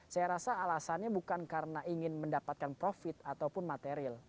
saya rasa alasannya bukan karena ingin mendapatkan profit ataupun material